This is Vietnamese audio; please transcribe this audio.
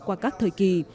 qua các thời kỳ